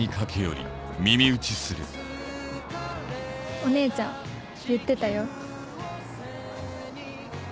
お姉ちゃん言ってたよ。